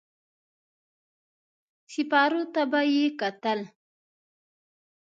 سېپارو ته به يې کتل.